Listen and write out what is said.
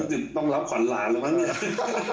ฮู้ยยยยยต้องรับขวัญลานค์ละมั้งนี่